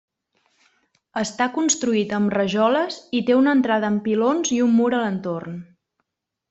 Està construït amb rajoles i té una entrada amb pilons i un mur a l'entorn.